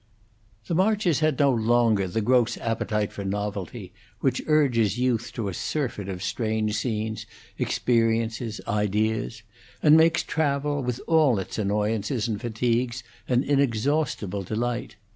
The Marches had no longer the gross appetite for novelty which urges youth to a surfeit of strange scenes, experiences, ideas; and makes travel, with all its annoyances and fatigues, an inexhaustible delight.